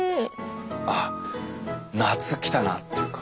あ夏きたなっていうか。